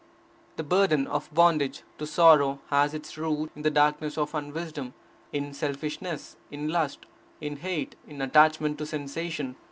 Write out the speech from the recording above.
The burden of bondage to sorrow has its root in the darkness of unwisdom, in selfishness, in lust, in hate, in attachment to sensation.